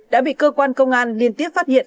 đã bị cơ quan công an liên tiếp phát hiện